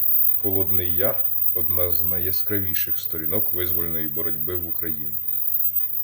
Холодний Яр — одна з найяскравіших сторінок Визвольної боротьби в Україні.